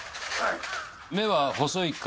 目は細いか？